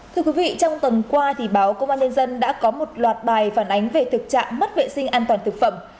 thưa quý vị trong tuần qua báo công an nhân dân đã có một loạt bài phản ánh về thực trạng mất vệ sinh an toàn thực phẩm